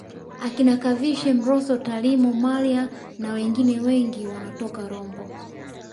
Akina Kavishe Mrosso Tarimo Mallya nawengine wengi wanatoka Rombo